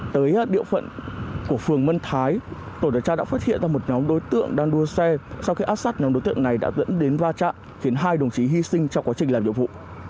tổ tuần tra đã phát hiện ra một nhóm đối tượng đang đua xe sau khi áp sát nhóm đối tượng này đã dẫn đến va chạm khiến hai đồng chí hy sinh trong quá trình làm nhiệm vụ